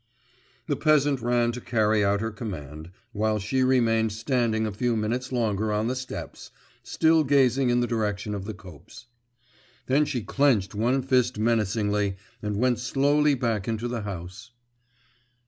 The peasant ran to carry out her command, while she remained standing a few minutes longer on the steps, still gazing in the direction of the copse. Then she clenched one fist menacingly, and went slowly back into the house.